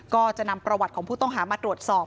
ก็จะนำประวัติของผู้ต้องหามาตรวจสอบ